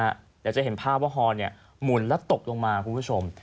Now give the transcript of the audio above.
เดี๋ยวจะเห็นภาพว่าฮอหมุนแล้วตกลงมาคุณผู้ชม